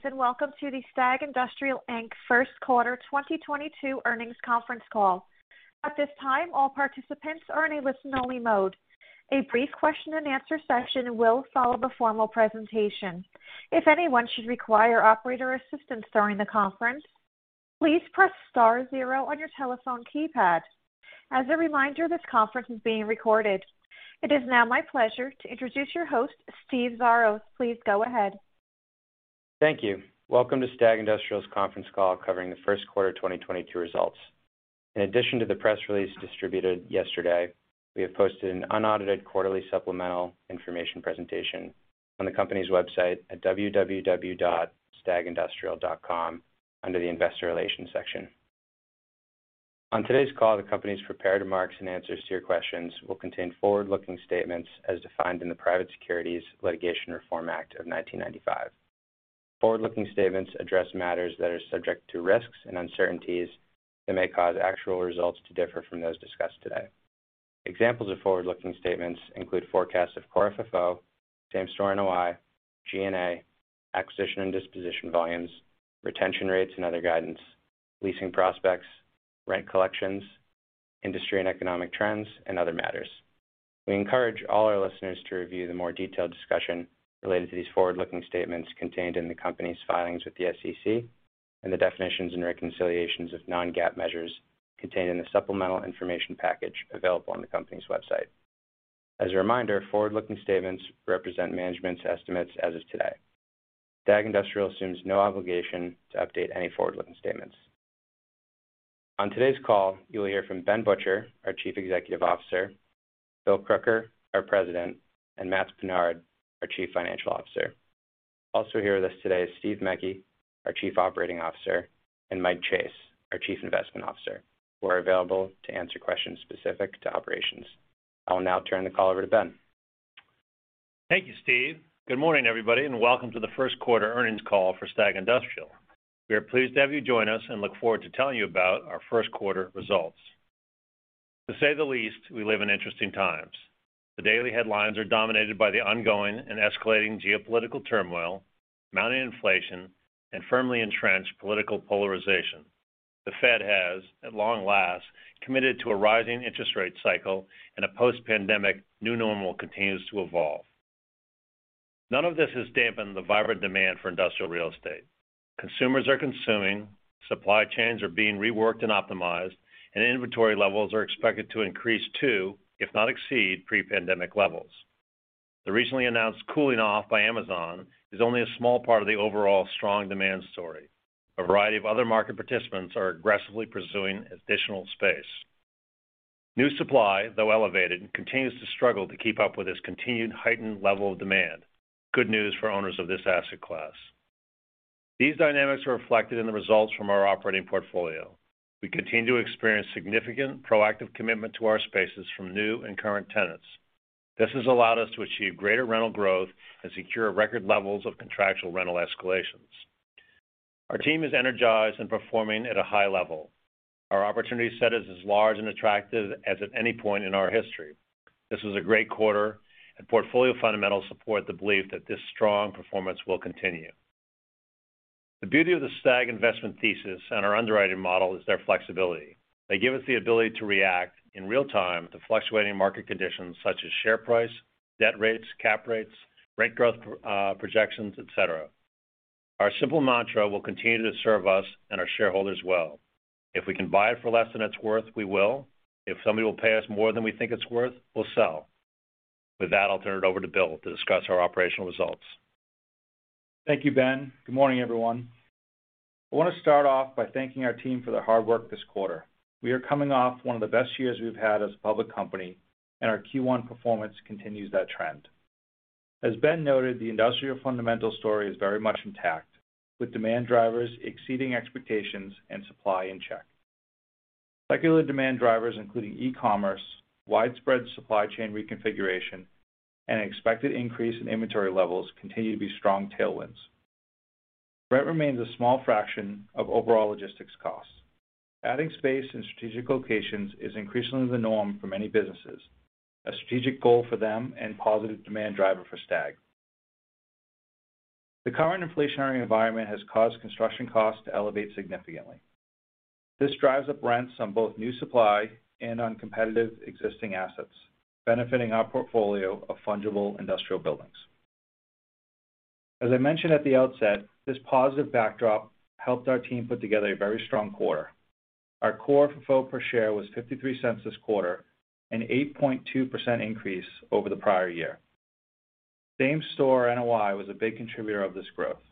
Greetings, and welcome to the STAG Industrial, Inc. First Quarter 2022 Earnings Conference Call. At this time, all participants are in a listen-only mode. A brief question-and-answer session will follow the formal presentation. If anyone should require operator assistance during the conference, please press star zero on your telephone keypad. As a reminder, this conference is being recorded. It is now my pleasure to introduce your host, Steve Xiarhos. Please go ahead. Thank you. Welcome to STAG Industrial's conference call covering the first quarter 2022 results. In addition to the press release distributed yesterday, we have posted an unaudited quarterly supplemental information presentation on the company's website at www.stagindustrial.com under the Investor Relations section. On today's call, the company's prepared remarks and answers to your questions will contain forward-looking statements as defined in the Private Securities Litigation Reform Act of 1995. Forward-looking statements address matters that are subject to risks and uncertainties that may cause actual results to differ from those discussed today. Examples of forward-looking statements include forecasts of Core FFO, Same-Store NOI, G&A, acquisition and disposition volumes, retention rates and other guidance, leasing prospects, rent collections, industry and economic trends, and other matters. We encourage all our listeners to review the more detailed discussion related to these forward-looking statements contained in the company's filings with the SEC and the definitions and reconciliations of non-GAAP measures contained in the supplemental information package available on the company's website. As a reminder, forward-looking statements represent management's estimates as of today. STAG Industrial assumes no obligation to update any forward-looking statements. On today's call, you will hear from Ben Butcher, our Chief Executive Officer, Bill Crooker, our President, and Matts Pinard, our Chief Financial Officer. Also here with us today is Steve Mecke, our Chief Operating Officer, and Mike Chase, our Chief Investment Officer, who are available to answer questions specific to operations. I will now turn the call over to Ben. Thank you, Steve. Good morning, everybody, and welcome to the first quarter earnings call for STAG Industrial. We are pleased to have you join us and look forward to telling you about our first quarter results. To say the least, we live in interesting times. The daily headlines are dominated by the ongoing and escalating geopolitical turmoil, mounting inflation, and firmly entrenched political polarization. The Fed has, at long last, committed to a rising interest rate cycle, and a post-pandemic new normal continues to evolve. None of this has dampened the vibrant demand for industrial real estate. Consumers are consuming, supply chains are being reworked and optimized, and inventory levels are expected to increase to, if not exceed, pre-pandemic levels. The recently announced cooling off by Amazon is only a small part of the overall strong demand story. A variety of other market participants are aggressively pursuing additional space. New supply, though elevated, continues to struggle to keep up with this continued heightened level of demand. Good news for owners of this asset class. These dynamics are reflected in the results from our operating portfolio. We continue to experience significant proactive commitment to our spaces from new and current tenants. This has allowed us to achieve greater rental growth and secure record levels of contractual rental escalations. Our team is energized and performing at a high level. Our opportunity set is as large and attractive as at any point in our history. This was a great quarter, and portfolio fundamentals support the belief that this strong performance will continue. The beauty of the STAG investment thesis and our underwriting model is their flexibility. They give us the ability to react in real time to fluctuating market conditions such as share price, debt rates, cap rates, rate growth, projections, et cetera. Our simple mantra will continue to serve us and our shareholders well. If we can buy it for less than it's worth, we will. If somebody will pay us more than we think it's worth, we'll sell. With that, I'll turn it over to Bill to discuss our operational results. Thank you, Ben. Good morning, everyone. I want to start off by thanking our team for their hard work this quarter. We are coming off one of the best years we've had as a public company, and our Q1 performance continues that trend. As Ben noted, the industrial fundamental story is very much intact, with demand drivers exceeding expectations and supply in check. Secular demand drivers, including e-commerce, widespread supply chain reconfiguration, and expected increase in inventory levels continue to be strong tailwinds. Rent remains a small fraction of overall logistics costs. Adding space in strategic locations is increasingly the norm for many businesses, a strategic goal for them and positive demand driver for STAG. The current inflationary environment has caused construction costs to elevate significantly. This drives up rents on both new supply and on competitive existing assets, benefiting our portfolio of fungible industrial buildings. As I mentioned at the outset, this positive backdrop helped our team put together a very strong quarter. Our Core FFO per share was $0.53 this quarter, an 8.2% increase over the prior year. Same-Store NOI was a big contributor of this growth.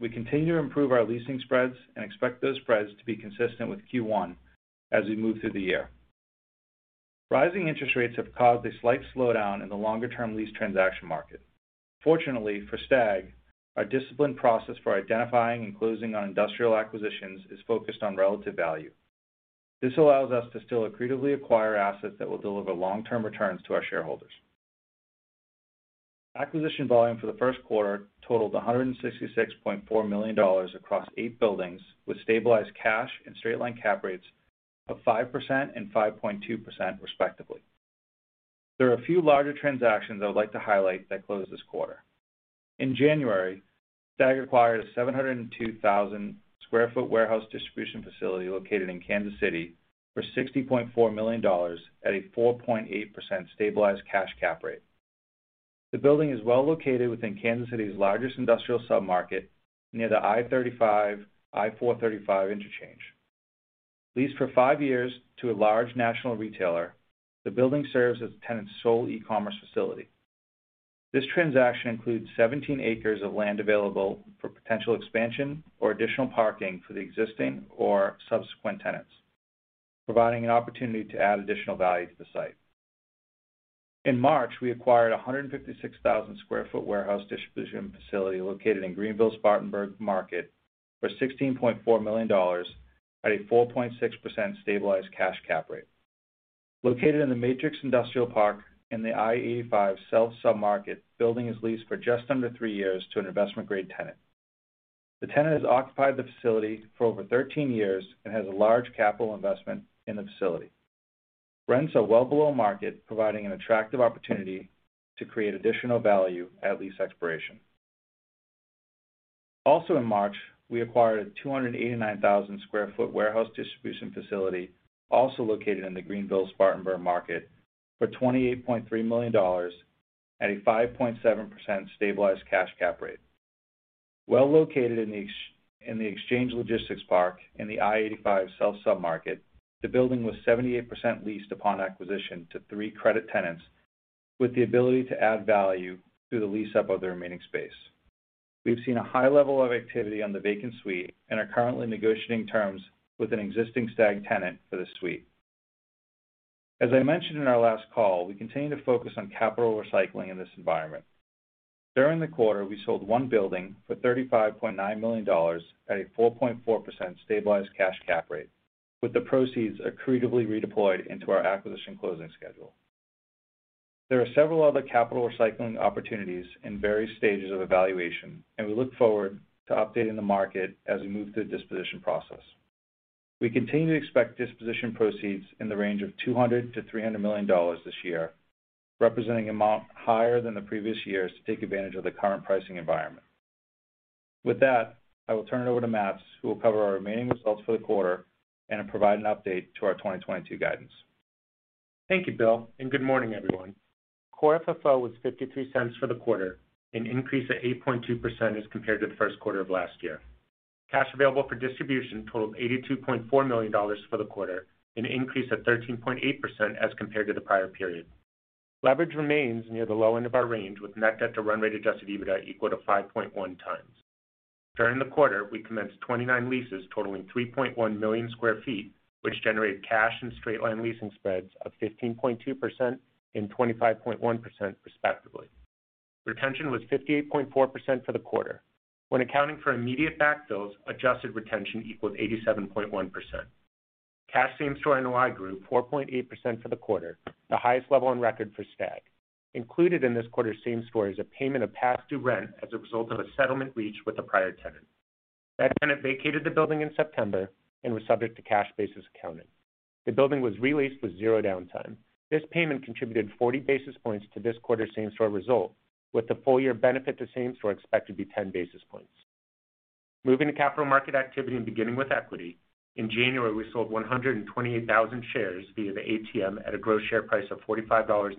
We continue to improve our leasing spreads and expect those spreads to be consistent with Q1 as we move through the year. Rising interest rates have caused a slight slowdown in the longer-term lease transaction market. Fortunately for STAG, our disciplined process for identifying and closing on industrial acquisitions is focused on relative value. This allows us to still accretively acquire assets that will deliver long-term returns to our shareholders. Acquisition volume for the first quarter totaled $166.4 million across eight buildings, with stabilized cash and straight-line cap rates of 5% and 5.2% respectively. There are a few larger transactions I would like to highlight that closed this quarter. In January, STAG acquired a 702,000 sq ft warehouse distribution facility located in Kansas City for $60.4 million at a 4.8% stabilized cash cap rate. The building is well located within Kansas City's largest industrial submarket near the I-35/I-435 interchange. Leased for five years to a large national retailer, the building serves as the tenant's sole e-commerce facility. This transaction includes 17 acres of land available for potential expansion or additional parking for the existing or subsequent tenants, providing an opportunity to add additional value to the site. In March, we acquired a 156,000 sq ft warehouse distribution facility located in the Greenville-Spartanburg market for $16.4 million at a 4.6% stabilized cash cap rate. Located in the Matrix Industrial Park in the I-85 South submarket, the building is leased for just under three years to an investment-grade tenant. The tenant has occupied the facility for over 13 years and has a large capital investment in the facility. Rents are well below market, providing an attractive opportunity to create additional value at lease expiration. Also in March, we acquired a 289,000 sq ft warehouse distribution facility, also located in the Greenville-Spartanburg market for $28.3 million at a 5.7% stabilized cash cap rate. Well located in the Exchange Logistics Park in the I-85 South submarket, the building was 78% leased upon acquisition to three credit tenants with the ability to add value through the lease up of the remaining space. We've seen a high level of activity on the vacant suite and are currently negotiating terms with an existing STAG tenant for this suite. As I mentioned in our last call, we continue to focus on capital recycling in this environment. During the quarter, we sold one building for $35.9 million at a 4.4% stabilized cash cap rate, with the proceeds accretively redeployed into our acquisition closing schedule. There are several other capital recycling opportunities in various stages of evaluation, and we look forward to updating the market as we move through the disposition process. We continue to expect disposition proceeds in the range of $200 million-$300 million this year, representing an amount higher than the previous years to take advantage of the current pricing environment. With that, I will turn it over to Matts, who will cover our remaining results for the quarter and provide an update to our 2022 guidance. Thank you, Bill, and good morning, everyone. Core FFO was $0.53 for the quarter, an increase of 8.2% as compared to the first quarter of last year. Cash available for distribution totaled $82.4 million for the quarter, an increase of 13.8% as compared to the prior period. Leverage remains near the low end of our range, with Net Debt to Run Rate Adjusted EBITDA equal to 5.1x. During the quarter, we commenced 29 leases totaling 3.1 million sq ft, which generated cash and straight line leasing spreads of 15.2% and 25.1% respectively. Retention was 58.4% for the quarter. When accounting for immediate backfills, adjusted retention equaled 87.1%. Cash Same-Store NOI grew 4.8% for the quarter, the highest level on record for STAG. Included in this quarter's same-store is a payment of past due rent as a result of a settlement reached with a prior tenant. That tenant vacated the building in September and was subject to cash basis accounting. The building was re-leased with zero downtime. This payment contributed 40 basis points to this quarter's same-store result, with the full year benefit to same-store expected to be 10 basis points. Moving to capital market activity and beginning with equity. In January, we sold 128,000 shares via the ATM at a gross share price of $45.03,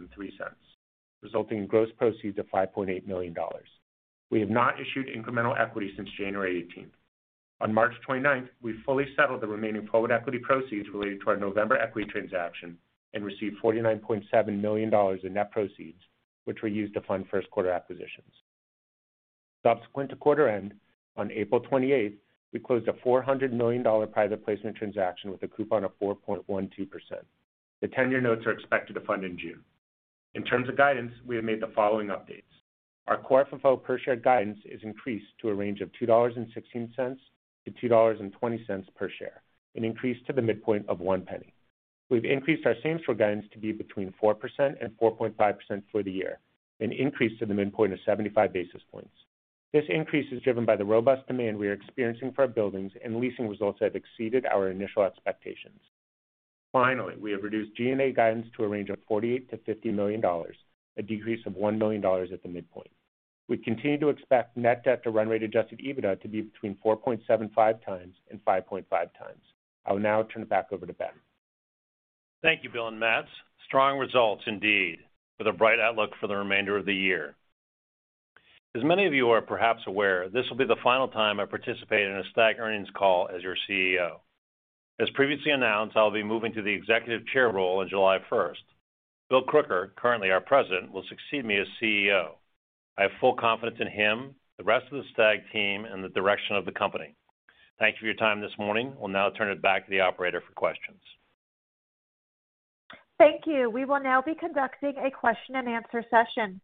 resulting in gross proceeds of $5.8 million. We have not issued incremental equity since January 18. On March 29th, we fully settled the remaining forward equity proceeds related to our November equity transaction and received $49.7 million in net proceeds, which were used to fund first quarter acquisitions. Subsequent to quarter end, on April 28th, we closed a $400 million private placement transaction with a coupon of 4.12%. The 10-year notes are expected to fund in June. In terms of guidance, we have made the following updates. Our Core FFO per share guidance is increased to a range of $2.16-$2.20 per share, an increase to the midpoint of $0.01. We've increased our same-store guidance to be between 4% and 4.5% for the year, an increase to the midpoint of 75 basis points. This increase is driven by the robust demand we are experiencing for our buildings and leasing results that have exceeded our initial expectations. Finally, we have reduced G&A guidance to a range of $48 million-$50 million, a decrease of $1 million at the midpoint. We continue to expect Net Debt to Run Rate Adjusted EBITDA to be between 4.75x and 5.5x. I will now turn it back over to Ben. Thank you, Bill and Matts. Strong results indeed, with a bright outlook for the remainder of the year. As many of you are perhaps aware, this will be the final time I participate in a STAG earnings call as your CEO. As previously announced, I'll be moving to the Executive Chair role on July first. Bill Crooker, currently our President, will succeed me as CEO. I have full confidence in him, the rest of the STAG team, and the direction of the company. Thanks for your time this morning. We'll now turn it back to the operator for questions. Thank you. We will now be conducting a question-and-answer session.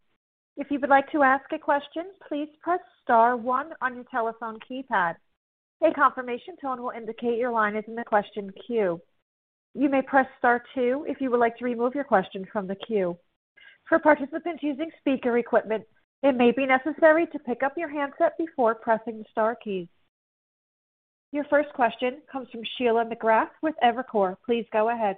If you would like to ask a question, please press star one on your telephone keypad. A confirmation tone will indicate your line is in the question queue. You may press star two if you would like to remove your question from the queue. For participants using speaker equipment, it may be necessary to pick up your handset before pressing the star keys. Your first question comes from Sheila McGrath with Evercore. Please go ahead.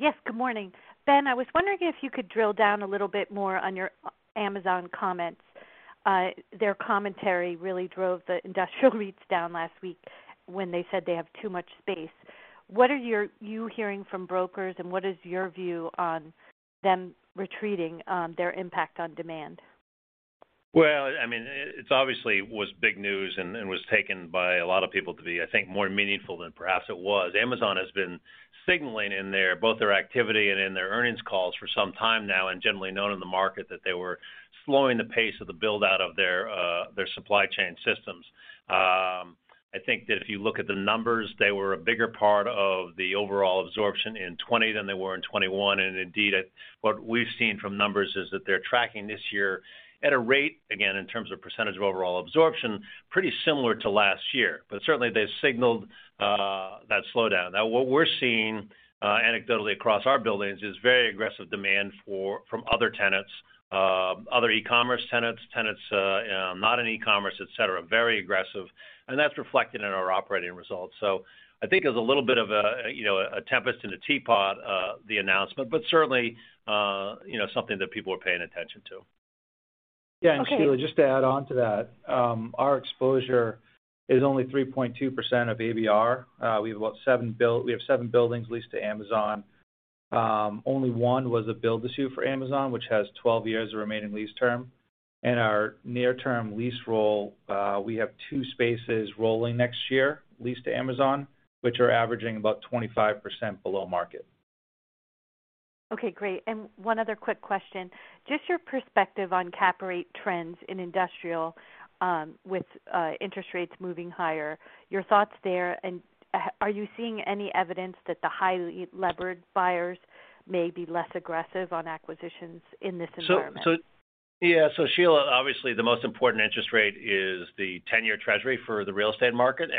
Yes, good morning. Ben, I was wondering if you could drill down a little bit more on your Amazon comments. Their commentary really drove the industrial rates down last week when they said they have too much space. What are you hearing from brokers, and what is your view on them retreating, on their impact on demand? Well, I mean, it's obviously was big news and was taken by a lot of people to be, I think, more meaningful than perhaps it was. Amazon has been signaling in their both their activity and in their earnings calls for some time now, and generally known in the market that they were slowing the pace of the build-out of their their supply chain systems. I think that if you look at the numbers, they were a bigger part of the overall absorption in 2020 than they were in 2021. Indeed, what we've seen from numbers is that they're tracking this year at a rate, again, in terms of percentage of overall absorption, pretty similar to last year. Certainly, they've signaled that slowdown. Now, what we're seeing anecdotally across our buildings is very aggressive demand from other tenants, other e-commerce tenants not in e-commerce, et cetera, very aggressive, and that's reflected in our operating results. I think it was a little bit of a, you know, a tempest in a teapot, the announcement, but certainly, you know, something that people are paying attention to. Okay. Yeah. Sheila, just to add on to that, our exposure is only 3.2% of ABR. We have seven buildings leased to Amazon. Only one was a build-to-suit for Amazon, which has 12 years of remaining lease term. In our near-term lease roll, we have two spaces rolling next year leased to Amazon, which are averaging about 25% below market. Okay, great. One other quick question. Just your perspective on cap rate trends in industrial, with interest rates moving higher. Your thoughts there, and are you seeing any evidence that the highly levered buyers may be less aggressive on acquisitions in this environment? Yeah. Sheila, obviously, the most important interest rate is the 10-year Treasury for the real estate market.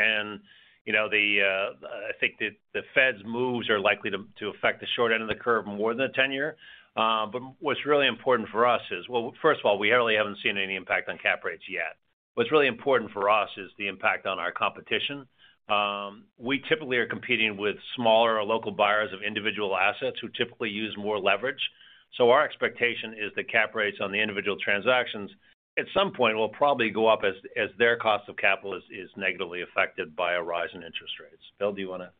You know, I think the Fed's moves are likely to affect the short end of the curve more than 10-year. What's really important for us is. Well, first of all, we really haven't seen any impact on cap rates yet. What's really important for us is the impact on our competition. We typically are competing with smaller or local buyers of individual assets who typically use more leverage. Our expectation is that cap rates on the individual transactions at some point will probably go up as their cost of capital is negatively affected by a rise in interest rates. Bill, do you wanna-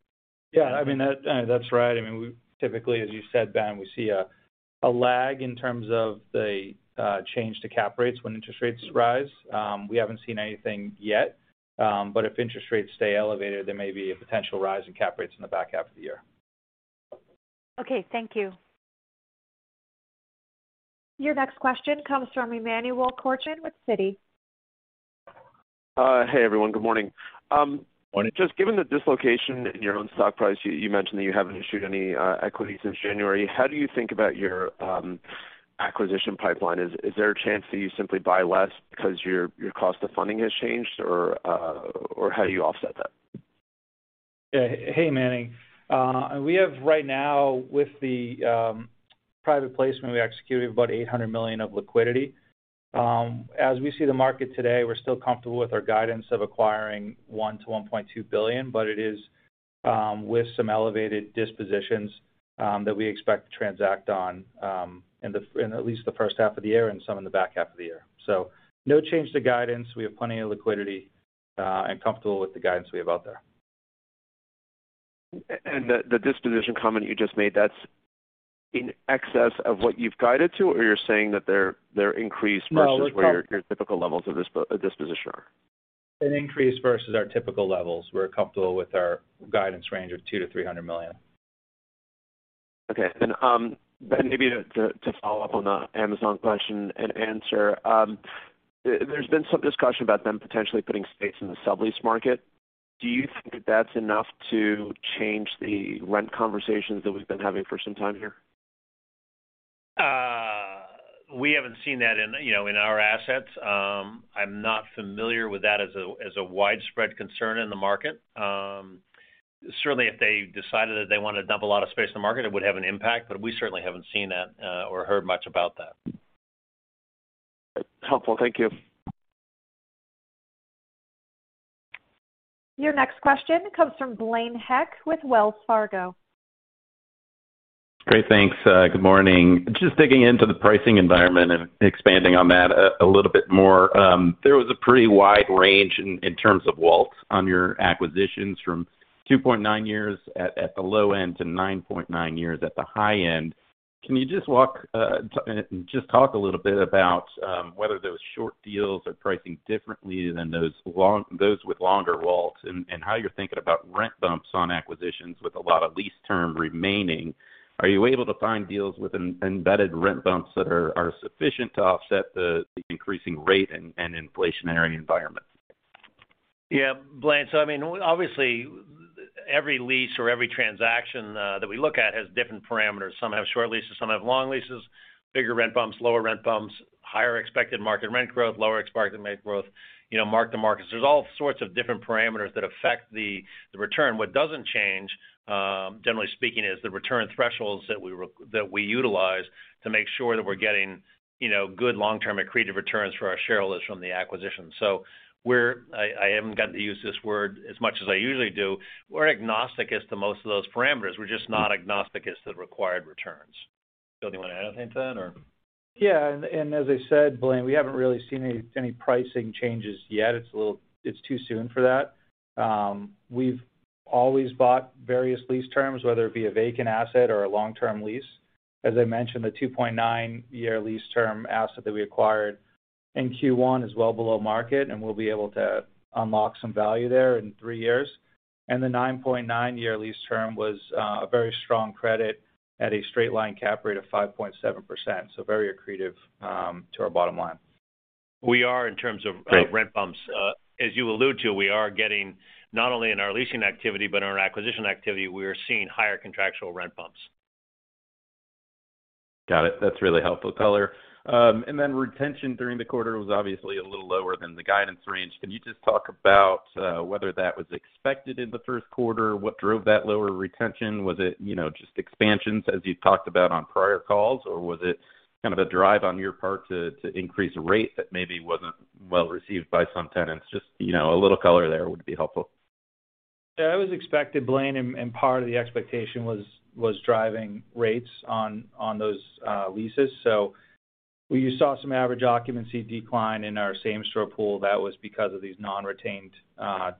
Yeah. I mean, that's right. I mean, we typically, as you said, Ben, we see a lag in terms of the change to cap rates when interest rates rise. We haven't seen anything yet. If interest rates stay elevated, there may be a potential rise in cap rates in the back half of the year. Okay, thank you. Your next question comes from Emmanuel Korchman with Citi. Hey, everyone. Good morning. Morning. Just given the dislocation in your own stock price, you mentioned that you haven't issued any equity since January. How do you think about your acquisition pipeline? Is there a chance that you simply buy less because your cost of funding has changed? Or how do you offset that? Yeah. Hey, Manny. We have right now, with the private placement, we executed about $800 million of liquidity. As we see the market today, we're still comfortable with our guidance of acquiring $1 billion-$1.2 billion, but it is with some elevated dispositions that we expect to transact on in at least the first half of the year and some in the back half of the year. No change to guidance. We have plenty of liquidity and comfortable with the guidance we have out there. The disposition comment you just made, that's in excess of what you've guided to, or you're saying that they're increased- No, we're com-... versus where your typical levels of disposition are. An increase versus our typical levels. We're comfortable with our guidance range of $200 million-$300 million. Ben, maybe to follow up on the Amazon question-and-answer. There's been some discussion about them potentially putting space in the sublease market. Do you think that that's enough to change the rent conversations that we've been having for some time here? We haven't seen that in, you know, in our assets. I'm not familiar with that as a widespread concern in the market. Certainly, if they decided that they wanna dump a lot of space in the market, it would have an impact, but we certainly haven't seen that, or heard much about that. Helpful. Thank you. Your next question comes from Blaine Heck with Wells Fargo. Great. Thanks. Good morning. Just digging into the pricing environment and expanding on that a little bit more. There was a pretty wide range in terms of walls on your acquisitions from 2.9 years at the low end to 9.9 years at the high end. Can you just talk a little bit about whether those short deals are pricing differently than those with longer walls and how you're thinking about rent bumps on acquisitions with a lot of lease term remaining. Are you able to find deals with embedded rent bumps that are sufficient to offset the increasing rate and inflationary environment? Yeah, Blaine. I mean, obviously, every lease or every transaction that we look at has different parameters. Some have short leases, some have long leases, bigger rent bumps, lower rent bumps, higher expected market rent growth, lower expected rent growth, you know, mark-to-markets. There's all sorts of different parameters that affect the return. What doesn't change, generally speaking, is the return thresholds that we utilize to make sure that we're getting, you know, good long-term accretive returns for our shareholders from the acquisition. I haven't gotten to use this word as much as I usually do. We're agnostic as to most of those parameters. We're just not agnostic as to the required returns. Bill, do you want to add anything to that or? Yeah. As I said, Blaine, we haven't really seen any pricing changes yet. It's a little. It's too soon for that. We've always bought various lease terms, whether it be a vacant asset or a long-term lease. As I mentioned, the 2.9-year lease term asset that we acquired in Q1 is well below market, and we'll be able to unlock some value there in three years. The 9.9-year lease term was a very strong credit at a straight-line cap rate of 5.7%. Very accretive to our bottom line. We are in terms of- Great. Rent bumps. As you allude to, we are getting not only in our leasing activity, but in our acquisition activity, we are seeing higher contractual rent bumps. Got it. That's really helpful color. Retention during the quarter was obviously a little lower than the guidance range. Can you just talk about whether that was expected in the first quarter? What drove that lower retention? Was it, you know, just expansions as you've talked about on prior calls, or was it kind of a drive on your part to increase rate that maybe wasn't well-received by some tenants? Just, you know, a little color there would be helpful. Yeah, it was expected, Blaine, and part of the expectation was driving rates on those leases. We saw some average occupancy decline in our same-store pool. That was because of these non-retained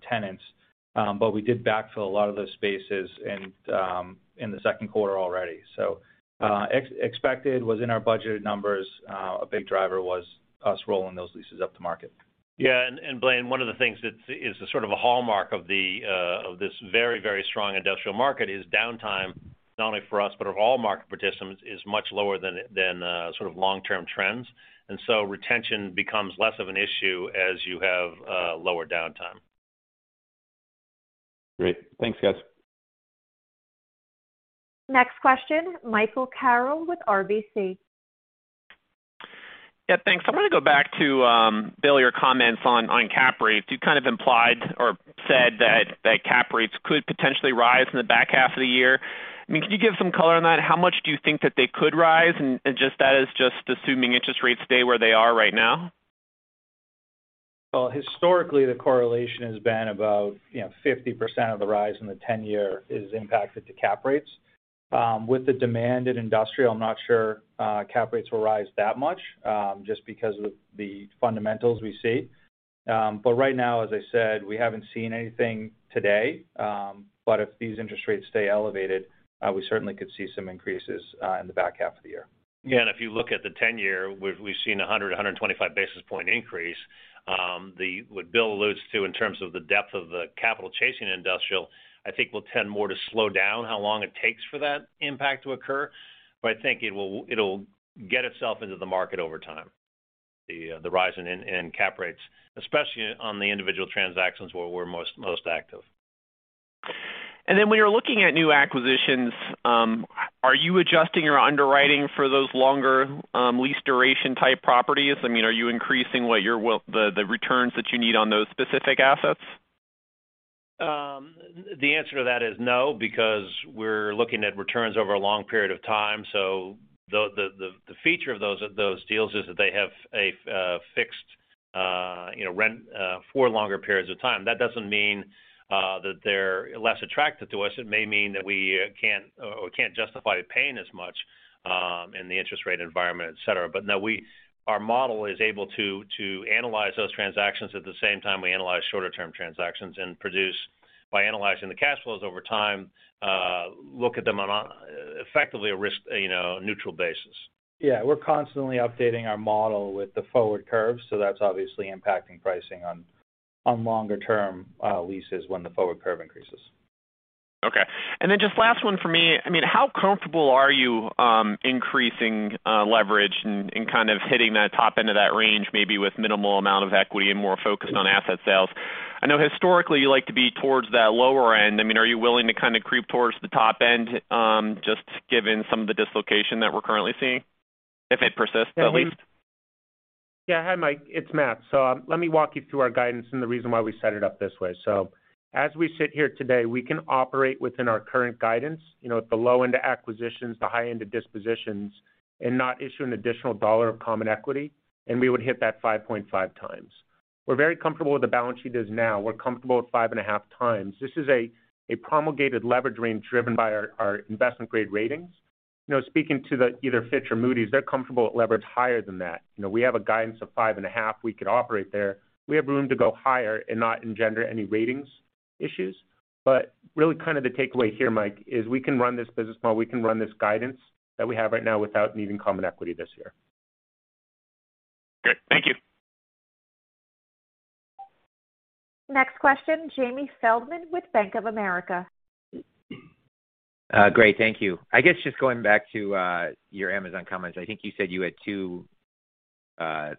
tenants. We did backfill a lot of those spaces in the second quarter already. Expected was in our budgeted numbers. A big driver was us rolling those leases up to market. Yeah. Blaine, one of the things that is a sort of a hallmark of the of this very, very strong industrial market is downtime, not only for us but of all market participants, is much lower than sort of long-term trends. Retention becomes less of an issue as you have lower downtime. Great. Thanks, guys. Next question, Michael Carroll with RBC. Yeah, thanks. I want to go back to Bill, your comments on cap rate. You kind of implied or said that cap rates could potentially rise in the back half of the year. I mean, can you give some color on that? How much do you think that they could rise and that is just assuming interest rates stay where they are right now? Well, historically, the correlation has been about, you know, 50% of the rise in the 10-year is impacted to cap rates. With the demand in industrial, I'm not sure cap rates will rise that much just because of the fundamentals we see. Right now, as I said, we haven't seen anything today. If these interest rates stay elevated, we certainly could see some increases in the back half of the year. Yeah. If you look at the 10-year, we've seen a 100-125 basis point increase. What Bill alludes to in terms of the depth of the capital chasing industrial, I think will tend more to slow down how long it takes for that impact to occur. I think it'll get itself into the market over time, the rise in cap rates, especially on the individual transactions where we're most active. When you're looking at new acquisitions, are you adjusting your underwriting for those longer lease duration type properties? I mean, are you increasing the returns that you need on those specific assets? The answer to that is no, because we're looking at returns over a long period of time. The feature of those deals is that they have a fixed, you know, rent for longer periods of time. That doesn't mean that they're less attractive to us. It may mean that we can't justify paying as much in the interest rate environment, et cetera. No, our model is able to analyze those transactions at the same time we analyze shorter-term transactions and produce, by analyzing the cash flows over time, look at them on an effectively risk-neutral basis. Yeah, we're constantly updating our model with the forward curves, so that's obviously impacting pricing on longer term leases when the forward curve increases. Okay. Just last one for me. I mean, how comfortable are you, increasing leverage and kind of hitting that top end of that range, maybe with minimal amount of equity and more focused on asset sales? I know historically, you like to be towards that lower end. I mean, are you willing to kind of creep towards the top end, just given some of the dislocation that we're currently seeing, if it persists at least? Yeah. Hi, Mike. It's Matts. Let me walk you through our guidance and the reason why we set it up this way. As we sit here today, we can operate within our current guidance, you know, at the low end of acquisitions, the high end of dispositions, and not issue an additional dollar of common equity, and we would hit that 5.5x. We're very comfortable with the balance sheet as now. We're comfortable at 5.5x. This is a promulgated leverage range driven by our investment-grade ratings. You know, speaking to either Fitch or Moody's, they're comfortable at leverage higher than that. You know, we have a guidance of 5.5x. We could operate there. We have room to go higher and not engender any ratings issues. Really kind of the takeaway here, Mike, is we can run this business model, we can run this guidance that we have right now without needing common equity this year. Good. Thank you. Next question, Jamie Feldman with Bank of America. Great. Thank you. I guess just going back to your Amazon comments, I think you said you had two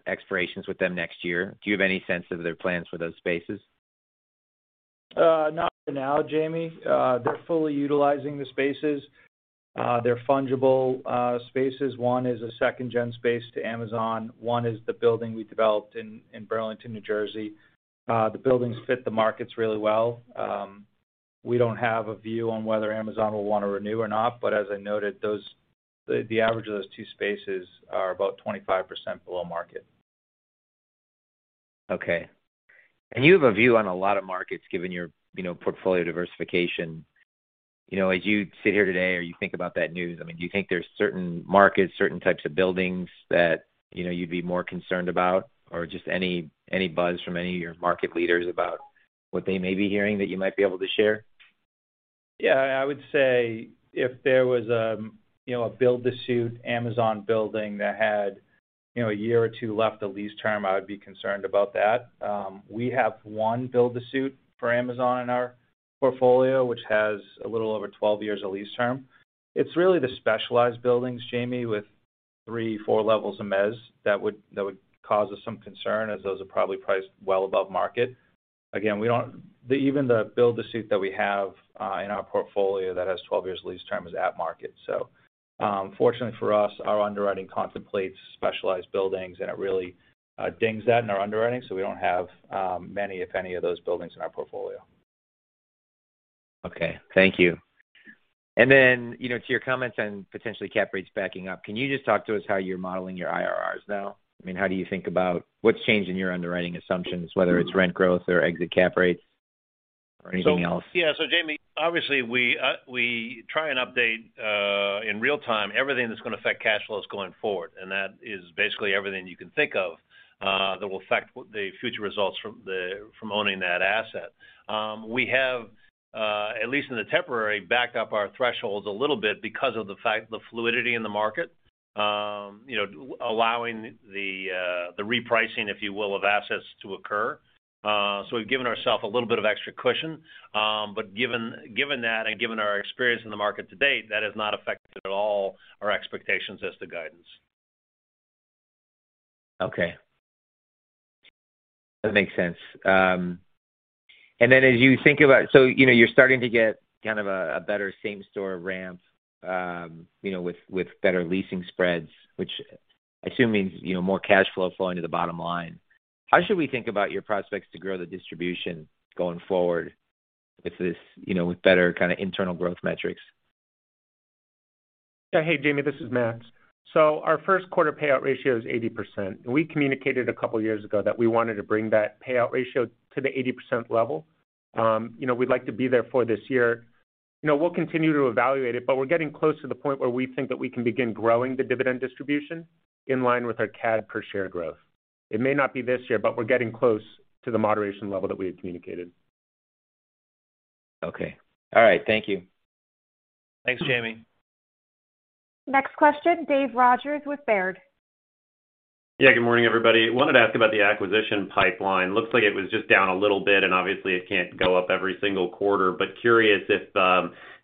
expirations with them next year. Do you have any sense of their plans for those spaces? Not for now, Jamie. They're fully utilizing the spaces. They're fungible spaces. One is a second-gen space to Amazon. One is the building we developed in Burlington, New Jersey. The buildings fit the markets really well. We don't have a view on whether Amazon will wanna renew or not, but as I noted, the average of those two spaces are about 25% below market. Okay. You have a view on a lot of markets given your, you know, portfolio diversification. You know, as you sit here today or you think about that news, I mean, do you think there's certain markets, certain types of buildings that, you know, you'd be more concerned about? Just any buzz from any of your market leaders about what they may be hearing that you might be able to share? Yeah, I would say if there was a, you know, a build-to-suit Amazon building that had, you know, a year or two left of lease term, I would be concerned about that. We have one build-to-suit for Amazon in our portfolio, which has a little over 12 years of lease term. It's really the specialized buildings, Jamie, with three, four levels of mezzanine that would cause us some concern as those are probably priced well above market. Again, we don't, even the build-to-suit that we have in our portfolio that has 12 years lease term is at market. Fortunately for us, our underwriting contemplates specialized buildings, and it really dings that in our underwriting, so we don't have many, if any, of those buildings in our portfolio. Okay. Thank you. You know, to your comments and potentially cap rates backing up, can you just talk to us how you're modeling your IRRs now? I mean, how do you think about what's changed in your underwriting assumptions, whether it's rent growth or exit cap rates or anything else? Yeah. Jamie, obviously we try and update in real time everything that's gonna affect cash flows going forward, and that is basically everything you can think of that will affect the future results from owning that asset. We have at least temporarily backed up our thresholds a little bit because of the fact the fluidity in the market, you know, allowing the repricing, if you will, of assets to occur. We've given ourselves a little bit of extra cushion. Given that and given our experience in the market to date, that has not affected at all our expectations as to guidance. Okay. That makes sense. You know, you're starting to get kind of a better same-store ramp, you know, with better leasing spreads, which I assume means, you know, more cash flow flowing to the bottom line. How should we think about your prospects to grow the distribution going forward with this, you know, with better kind of internal growth metrics? Yeah. Hey, Jamie, this is Matts. Our first quarter payout ratio is 80%. We communicated a couple years ago that we wanted to bring that payout ratio to the 80% level. You know, we'd like to be there for this year. You know, we'll continue to evaluate it, but we're getting close to the point where we think that we can begin growing the dividend distribution in line with our CAD per share growth. It may not be this year, but we're getting close to the moderation level that we had communicated. Okay. All right. Thank you. Thanks, Jamie. Next question, Dave Rogers with Baird. Yeah, good morning, everybody. Wanted to ask about the acquisition pipeline. Looks like it was just down a little bit, and obviously it can't go up every single quarter. Curious if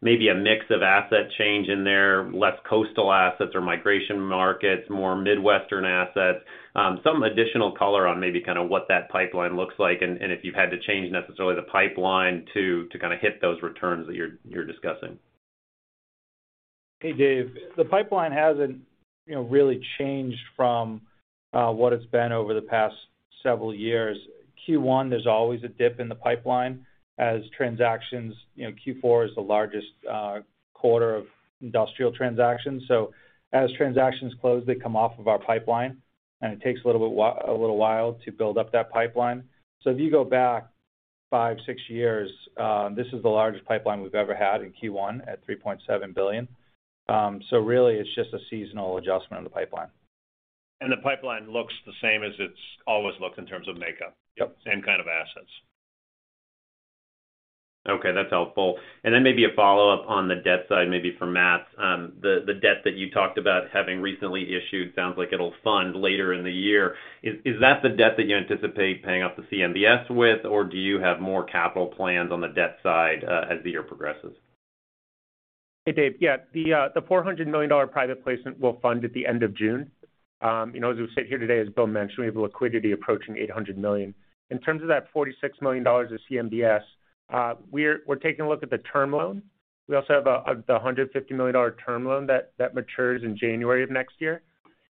maybe a mix of asset change in there, less coastal assets or migration markets, more Midwestern assets, some additional color on maybe kind of what that pipeline looks like and if you've had to change necessarily the pipeline to kinda hit those returns that you're discussing. Hey, Dave. The pipeline hasn't, you know, really changed from what it's been over the past several years. Q1, there's always a dip in the pipeline as transactions, you know, Q4 is the largest quarter of industrial transactions. As transactions close, they come off of our pipeline, and it takes a little while to build up that pipeline. If you go back five, six years, this is the largest pipeline we've ever had in Q1 at $3.7 billion. Really it's just a seasonal adjustment of the pipeline. The pipeline looks the same as it's always looked in terms of makeup. Yep. Same kind of assets. Okay, that's helpful. Maybe a follow-up on the debt side, maybe for Matts. The debt that you talked about having recently issued sounds like it'll fund later in the year. Is that the debt that you anticipate paying off the CMBS with, or do you have more capital plans on the debt side as the year progresses? Hey, Dave. Yeah, the $400 million private placement will fund at the end of June. You know, as we sit here today, as Bill mentioned, we have liquidity approaching $800 million. In terms of that $46 million of CMBS, we're taking a look at the term loan. We also have the $150 million term loan that matures in January of next year.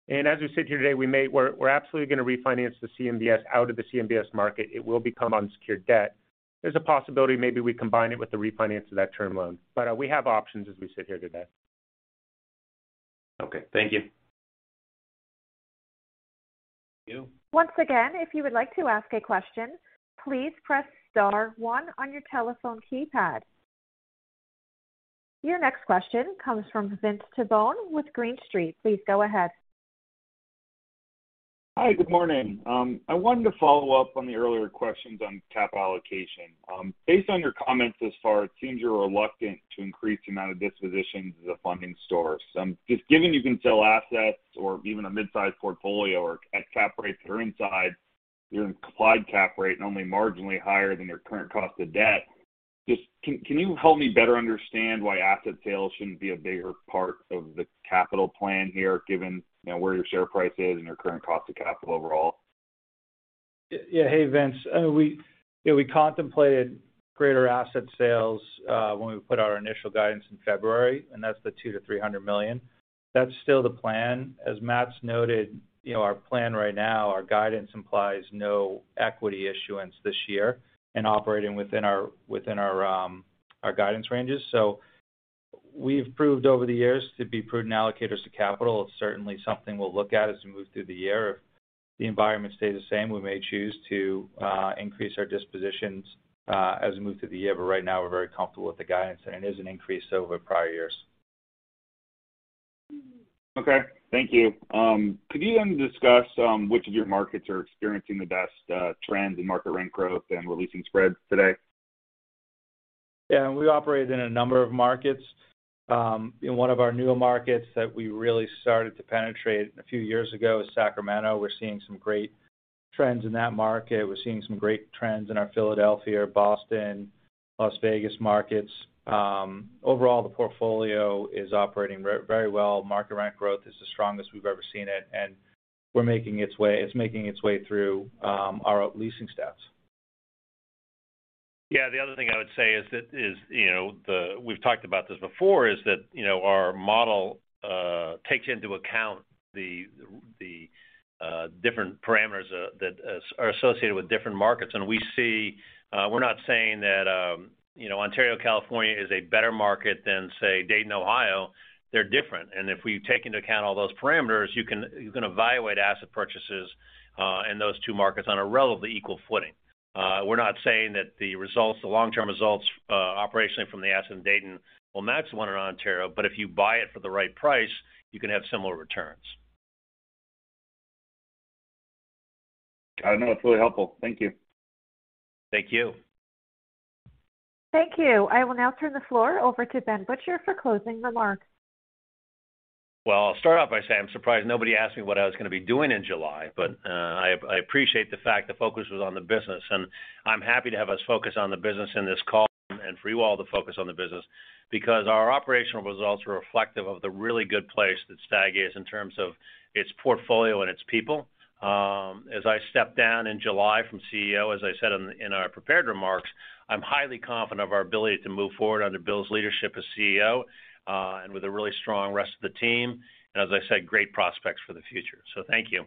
As we sit here today, we're absolutely gonna refinance the CMBS out of the CMBS market. It will become unsecured debt. There's a possibility maybe we combine it with the refinance of that term loan. We have options as we sit here today. Okay. Thank you. Thank you. Once again, if you would like to ask a question, please press star one on your telephone keypad. Your next question comes from Vince Tibone with Green Street. Please go ahead. Hi. Good morning. I wanted to follow up on the earlier questions on cap allocation. Based on your comments thus far, it seems you're reluctant to increase the amount of dispositions as a funding source. Just given you can sell assets or even a mid-sized portfolio or at cap rates that are inside your implied cap rate and only marginally higher than your current cost of debt, just can you help me better understand why asset sales shouldn't be a bigger part of the capital plan here, given, you know, where your share price is and your current cost of capital overall? Yeah. Hey, Vince. We, you know, we contemplated greater asset sales when we put our initial guidance in February, and that's the $200 million-$300 million. That's still the plan. As Matt's noted, you know, our plan right now, our guidance implies no equity issuance this year and operating within our guidance ranges. We've proved over the years to be prudent allocators to capital. It's certainly something we'll look at as we move through the year. If the environment stays the same, we may choose to increase our dispositions as we move through the year. Right now, we're very comfortable with the guidance, and it is an increase over prior years. Okay. Thank you. Could you then discuss which of your markets are experiencing the best trends in market rent growth and leasing spreads today? Yeah. We operate in a number of markets. In one of our newer markets that we really started to penetrate a few years ago is Sacramento. We're seeing some great trends in that market. We're seeing some great trends in our Philadelphia, Boston, Las Vegas markets. Overall, the portfolio is operating very, very well. Market rent growth is the strongest we've ever seen it, and it's making its way through our leasing stats. Yeah. The other thing I would say is that, you know, we've talked about this before, is that, you know, our model takes into account the different parameters that are associated with different markets. We see, we're not saying that, you know, Ontario, California is a better market than, say, Dayton, Ohio. They're different. If we take into account all those parameters, you can evaluate asset purchases in those two markets on a relatively equal footing. We're not saying that the results, the long-term results, operationally from the asset in Dayton will match the one in Ontario, but if you buy it for the right price, you can have similar returns. Got it. No, it's really helpful. Thank you. Thank you. Thank you. I will now turn the floor over to Ben Butcher for closing remarks. Well, I'll start off by saying I'm surprised nobody asked me what I was gonna be doing in July. I appreciate the fact the focus was on the business, and I'm happy to have us focus on the business in this call and for you all to focus on the business because our operational results are reflective of the really good place that STAG is in terms of its portfolio and its people. As I step down in July from CEO, as I said in our prepared remarks, I'm highly confident of our ability to move forward under Bill's leadership as CEO, and with the really strong rest of the team, and as I said, great prospects for the future. Thank you.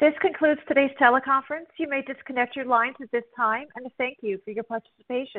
This concludes today's teleconference. You may disconnect your lines at this time, and thank you for your participation.